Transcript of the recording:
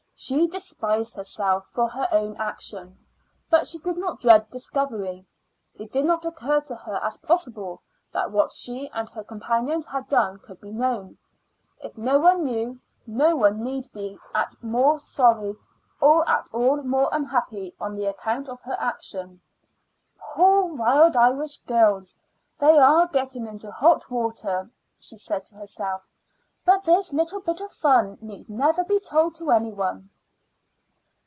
She despised herself for her own action, but she did not dread discovery. It did not occur to her as possible that what she and her companions had done could be known. If no one knew, no one need be at all more sorry or at all more unhappy on account of her action. "Poor Wild Irish Girls! they are getting into hot water," she said to herself. "But this little bit of fun need never be told to any one."